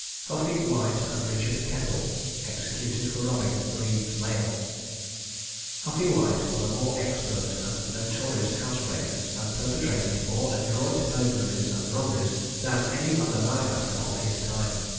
HUFFEY WHITE AND RICHARD KENDALL. EXECUTED FOR ROBBING THE LEEDS MAIL. Huffey White was a more expert and notorious housebreaker, and perpetrated more adroit burglaries and robberies, than any other malefactor of his time.